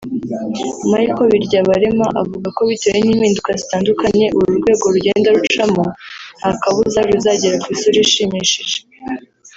Michael Biryabarema avuga ko bitewe n’impinduka zitandukanye uru rwego rugenda rucamo nta kabuza ruzagera ku isura ishimishije